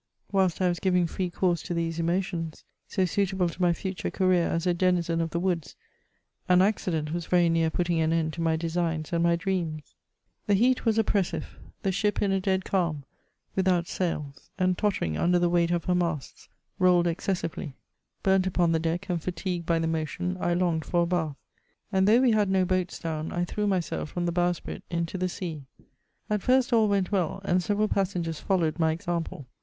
Whilst I was giving free course to these emotions, so suitable to my future career as a denizen of the woods, an ac^ cident was very near putting an end to my designs and my dreams. CHATEAUBRIAND. 25 1 The heat was oppressive ; the ship in a dead calm, without sails, and tottering under the weight of her masts, rolled exces sively ; humt upon the deck and fatigpied hy the motion, I longed for a hath ; ana though we had no hoats down, I threw myself from the howsprit into the sea. At first all went' well — and several passengers followed my example.